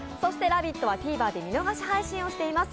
「ラヴィット！」はＴｖｅｒで見逃し配信をしています。